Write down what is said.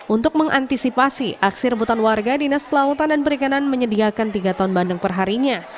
untuk mengantisipasi aksi rebutan warga dinas kelautan dan perikanan menyediakan tiga ton bandeng perharinya